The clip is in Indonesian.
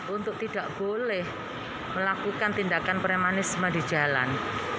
untuk tidak boleh melakukan tindakan premanisme di jalan